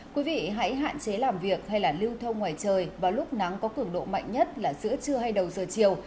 quý vị hãy hạn chế làm việc hay là lưu thông ngoài trời vào lúc nắng có cường độ mạnh nhất là giữa trưa hay đầu giờ chiều